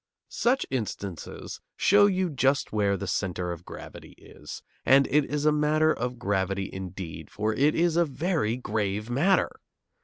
Such instances show you just where the centre of gravity is, and it is a matter of gravity indeed, for it is a very grave matter!